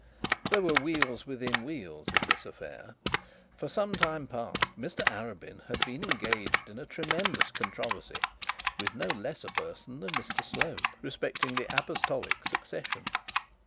There were wheels within wheels in this affair. For some time past Mr Arabin had been engaged in a tremendous controversy with no less a person than Mr Slope, respecting the apostolic succession.